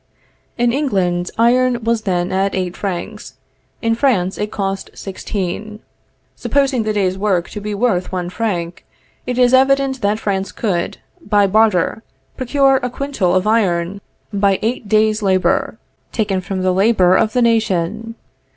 In England, iron was then at eight francs; in France it cost sixteen. Supposing the day's work to be worth one franc, it is evident that France could, by barter, procure a quintal of iron by eight days' labor taken from the labor of the nation.